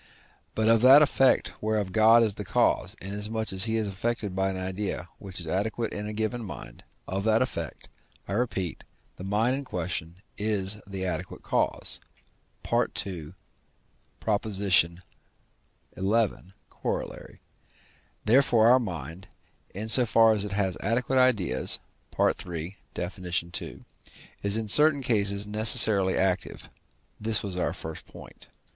But of that effect whereof God is the cause, inasmuch as he is affected by an idea which is adequate in a given mind, of that effect, I repeat, the mind in question is the adequate cause (II. xi. Coroll.). Therefore our mind, in so far as it has adequate ideas (III. Def. ii.), is in certain cases necessarily active; this was our first point.